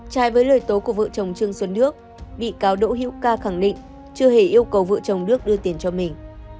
trai với lời tố của vợ chồng trương xuân nước bị cáo đỗ hiễu ca khẳng định chưa hề yêu cầu vợ chồng đức đưa tiền cho mình